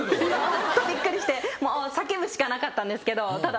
ホントびっくりして叫ぶしかなかったんですけど。